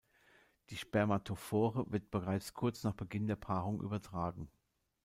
Die Spermatophore wird bereits kurz nach Beginn der Paarung übertragen.